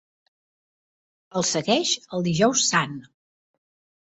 El segueix el Dijous Sant.